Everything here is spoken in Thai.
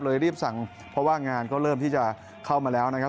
รีบสั่งเพราะว่างานก็เริ่มที่จะเข้ามาแล้วนะครับ